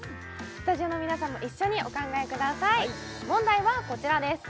スタジオの皆さんも一緒にお考えください問題はこちらです